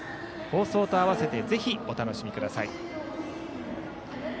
放送と合わせてぜひお楽しみください。